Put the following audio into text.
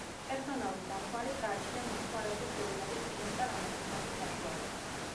პერსონალურ დამხმარეს გააჩნია მომხმარებლის სურვილების წინასწარ ამოცნობის საშუალება.